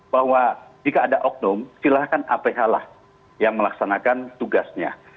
bahwa jika ada oknum silahkan aph lah yang melaksanakan tugasnya